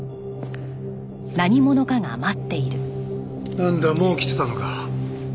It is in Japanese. なんだもう来てたのか。